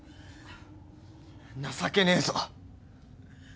情けねえぞ。